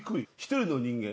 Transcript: １人の人間